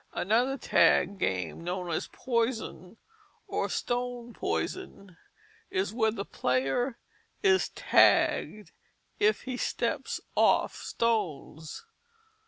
Another tag game known as poison, or stone poison, is where the player is tagged if he steps off stones.